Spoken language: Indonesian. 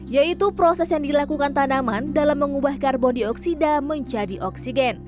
yaitu proses yang dilakukan tanaman dalam mengubah karbon dioksida menjadi oksigen